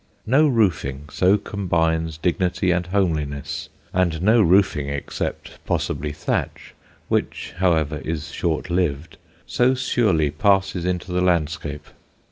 No roofing so combines dignity and homeliness, and no roofing except possibly thatch (which, however, is short lived) so surely passes into the landscape.